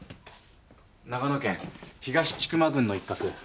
長野県東筑摩郡の一角。